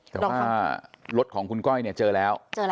แต่ว่ารถของคุณก้อยเนี่ยเจอแล้ว